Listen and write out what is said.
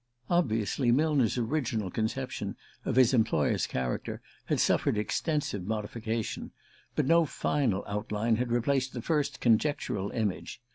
Obviously, Millner's original conception of his employer's character had suffered extensive modification; but no final outline had replaced the first conjectural image.